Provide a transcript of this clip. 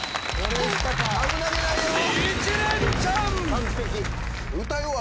完璧。